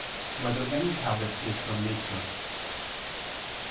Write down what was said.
1] Whether Any Habit Is from Nature?